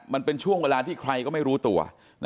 มันเป็นช่วงเวลาที่ใครก็ไม่รู้ตัว